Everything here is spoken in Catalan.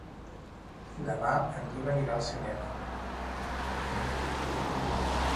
Demà en Guim anirà al cinema.